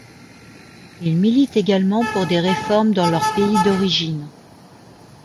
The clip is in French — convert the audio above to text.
Ils militent également pour des réformes dans leur pays d'origine.